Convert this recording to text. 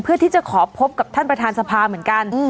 เพื่อที่จะขอพบกับท่านประธานสภาเหมือนกัน